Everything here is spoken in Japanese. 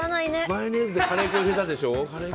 マヨネーズにカレー粉入れるでしょ？